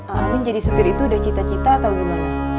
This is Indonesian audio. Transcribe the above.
amin jadi supir itu udah cita cita atau gimana